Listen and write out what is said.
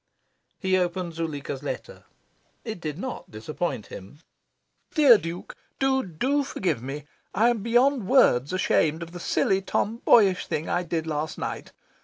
He opened Zuleika's letter. It did not disappoint him. "DEAR DUKE, DO, DO forgive me. I am beyond words ashamed of the silly tomboyish thing I did last night.